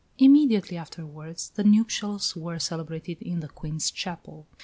Immediately afterwards, the nuptials were celebrated in the Queen's chapel.